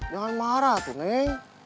jangan marah tuh neng